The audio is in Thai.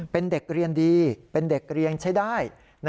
เป็นเด็กเรียนดีเป็นเด็กเรียนใช้ได้